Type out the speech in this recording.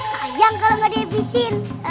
sayang kalau nggak ada ebisin